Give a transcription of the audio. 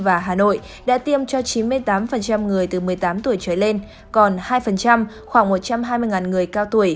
và hà nội đã tiêm cho chín mươi tám người từ một mươi tám tuổi trở lên còn hai khoảng một trăm hai mươi người cao tuổi